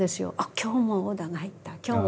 「今日もオーダーが入った」。